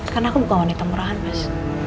karena aku bukan wanita murahan mas